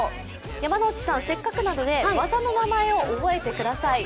山内さん、せっかくなので技の名前を覚えてください。